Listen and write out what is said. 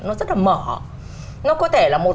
nó rất là mở nó có thể là một